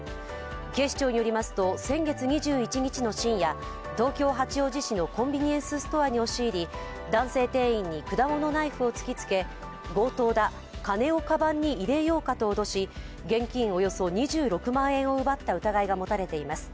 警視庁によりますと、先月２１日の深夜、東京・八王子市のコンビニエンスストアに押し入り、男性店員に果物ナイフを突きつけ強盗だ、金をかばんに入れようかと脅し、現金およそ２６万円を奪った疑いが持たれています。